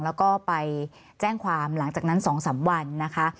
แล้วก็ไปแจ้งความหลังจากนั้น๒๓วันนะคะ